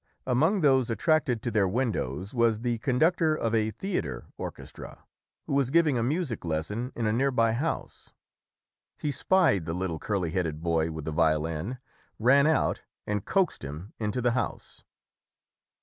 Among those attracted to their windows was the conductor of a theatre orchestra, who was giving a music lesson in a nearby house. He spied the little curly headed boy with the violin, ran out and coaxed him into the house.